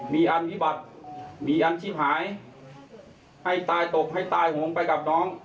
มีอันวิบัติมีอันชีพหายให้ตายตบให้ตายหงไปกับน้อง